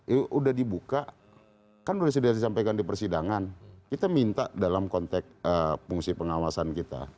itu udah dibuka kan sudah disampaikan di persidangan kita minta dalam konteks fungsi pengawasan kita